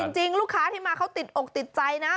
จริงลูกค้าที่มาเขาติดอกติดใจนะ